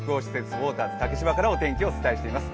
ウォーターズ竹芝からお天気をお伝えしています。